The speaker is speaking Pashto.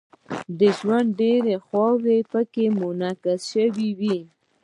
د ژوند ډیرې خواوې پکې منعکس شوې وي.